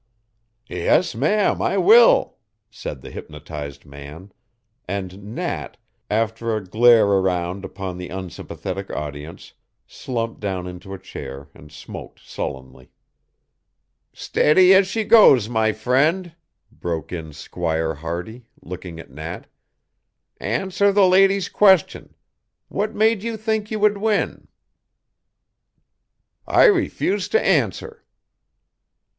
"Yes, ma'am, I will," said the hypnotized man, and Nat, after a glare around upon the unsympathetic audience slumped down into a chair and smoked sullenly. "Steady as she goes my friend," broke in Squire Hardy, looking at Nat. "Answer the lady's question. What made you think you would win?" "I refuse to answer."